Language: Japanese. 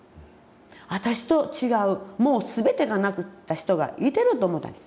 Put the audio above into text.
私と違うもう全てがなくなった人がいてると思うたねん。